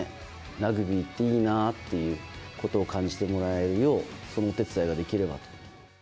ラグビーっていいなっていうことを感じてもらえるよう、そのお手伝いができればと。